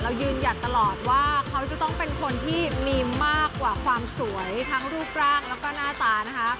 ยืนหยัดตลอดว่าเขาจะต้องเป็นคนที่มีมากกว่าความสวยทั้งรูปร่างแล้วก็หน้าตานะคะ